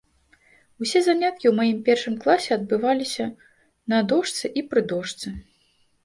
Усе заняткі ў маім першым класе адбываліся на дошцы і пры дошцы.